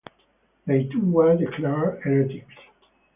They too were declared heretics.